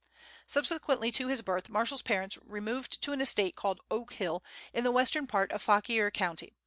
Subsequently to his birth, Marshall's parents removed to an estate called Oak Hill, in the western part of Fauquier County.